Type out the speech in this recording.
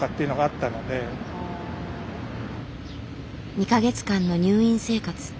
２か月間の入院生活。